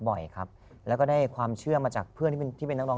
บ่อยครับแล้วก็ได้ความเชื่อมาจากเพื่อนที่เป็นที่เป็นนักร้อง